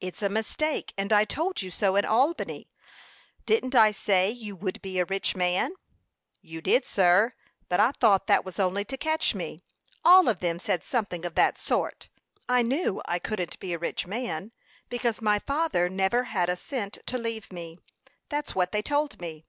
"It's a mistake, and I told you so in Albany. Didn't I say you would be a rich man?" "You did, sir; but I thought that was only to catch me. All of them said something of that sort. I knew I couldn't be a rich man, because my father never had a cent to leave me. That's what they told me."